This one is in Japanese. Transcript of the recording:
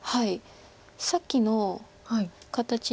さっきの形に。